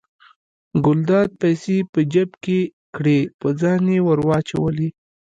ګلداد پیسې په جب کې کړې په ځان یې ور واچولې.